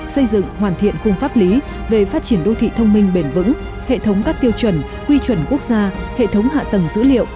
xây dựng hoàn thiện khung pháp lý về phát triển đô thị thông minh bền vững hệ thống các tiêu chuẩn quy chuẩn quốc gia hệ thống hạ tầng dữ liệu